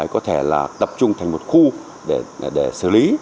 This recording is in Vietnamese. có thể là tập trung thành một khu để xử lý